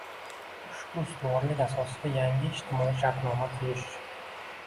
Ushbu ustuvorlik asosida yangi ijtimoiy shartnoma tuzish